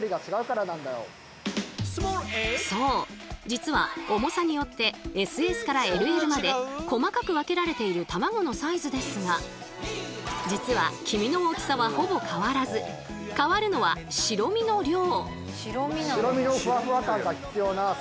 実は重さによってＳＳからＬＬまで細かく分けられているたまごのサイズですが実は黄身の大きさはほぼ変わらず変わるのは白身の量。